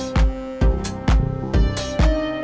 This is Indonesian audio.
saya sudah berjalan